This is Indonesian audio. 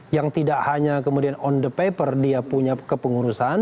yang tidak hanya kemudian on the paper dia punya kepengurusan